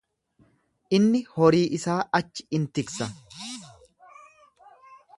Inni horii isaa achi in tiksa.